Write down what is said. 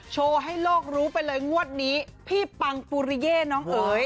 โชว์ให้โลกรู้ไปเลยงวดนี้พี่ปังปุริเย่น้องเอ๋ย